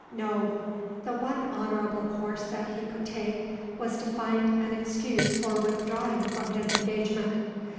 No. The one honorable course that he could take was to find an excuse for withdrawing from his engagement.